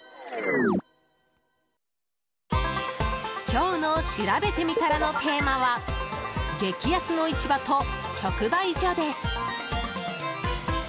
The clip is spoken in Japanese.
今日のしらべてみたらのテーマは激安の市場と直売所です。